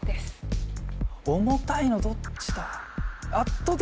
重たいのどっちだ？